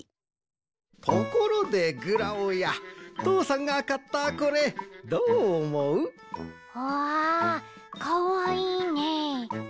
ところでグラオやとうさんがかったこれどうおもう？わかわいいね！